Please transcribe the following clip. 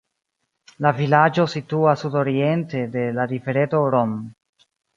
La vilaĝo situas sudoriente de la rivereto Ron.